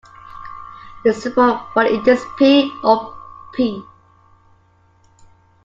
The symbol for it is "p" or "P".